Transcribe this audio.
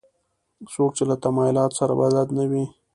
څوک چې له تمایلاتو سره بلد نه وي.